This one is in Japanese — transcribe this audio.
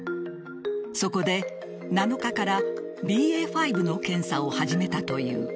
そこで７日からＢＡ．５の検査を始めたという。